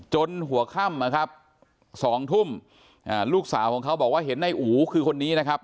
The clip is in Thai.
หัวค่ำนะครับสองทุ่มลูกสาวของเขาบอกว่าเห็นในอู๋คือคนนี้นะครับ